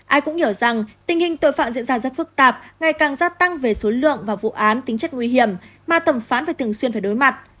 ai cũng hiểu rằng tình hình tội phạm diễn ra rất phức tạp ngày càng gia tăng về số lượng và vụ án tính chất nguy hiểm mà thẩm phán phải thường xuyên phải đối mặt